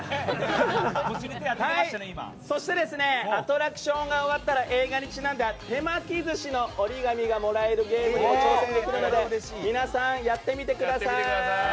アトラクションが終わったら映画にちなんだ手巻き寿司の折り紙がもらえるゲームにも挑戦できるので皆さん、やってみてください。